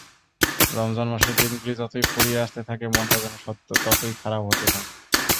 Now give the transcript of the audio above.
রমজান মাসের দিনগুলি যতই ফুরিয়ে আসতে থাকে, মনটা যেন ততই খারাপ হতে থাকে।